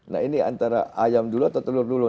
nah ini antara ayam dulu atau telur dulu